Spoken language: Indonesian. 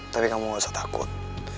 tapi kamu gak usah takut